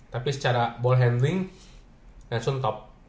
tapi secara ball handling lansun top